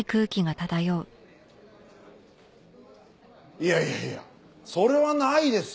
いやいやいやそれはないですよ！